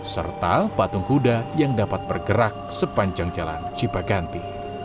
serta patung kuda yang dapat bergerak sepanjang jalan cipaganti